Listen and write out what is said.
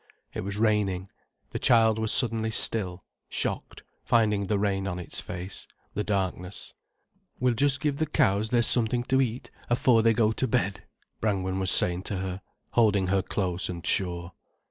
It was raining. The child was suddenly still, shocked, finding the rain on its face, the darkness. "We'll just give the cows their something to eat, afore they go to bed," Brangwen was saying to her, holding her close and sure.